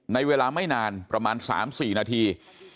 ในเวลาไม่นานประมาณ๓๔นาที